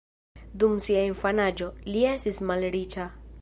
Dum sia infanaĝo, li estis malriĉa.